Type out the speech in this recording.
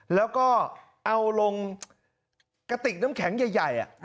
แล้วก็เอาลงกระติกน้ำแข็งใหญ่